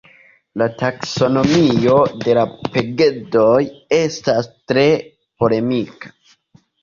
La taksonomio de la pegedoj estas tre polemika.